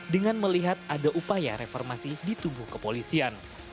dengan melihat ada upaya reformasi di tubuh kepolisian